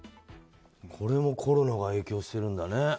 これもコロナが影響してるんだね。